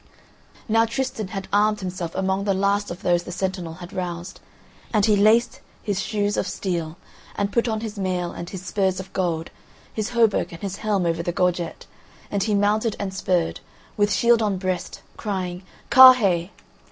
Now Tristan had armed himself among the last of those the sentinel had roused, and he laced his shoes of steel, and put on his mail, and his spurs of gold, his hauberk, and his helm over the gorget, and he mounted and spurred, with shield on breast, crying: "Carhaix!"